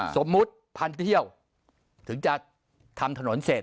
สมมุติพันเที่ยวถึงจะทำถนนเสร็จ